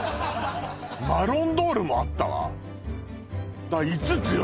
マロンドールもあったわ５つよ